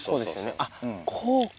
あっこうか。